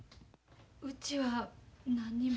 うちは何にも。